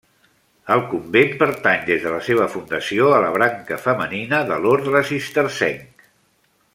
El convent pertany des de la seva fundació a la branca femenina de l'orde cistercenc.